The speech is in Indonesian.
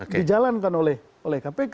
dijalankan oleh kpk